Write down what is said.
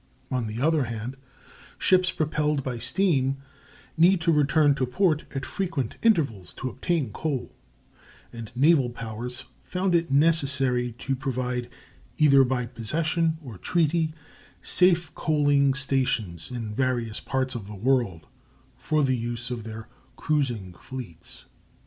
On the other hand, ships propelled by steam needed to return to port at frequent intervals to obtain coal, and naval powers found it necessary to provide, either by possession or treaty, safe coaling stations in various parts of the world for the use of their cruising fleets.